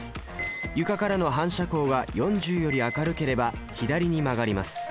床からの反射光が４０より明るければ左に曲がります。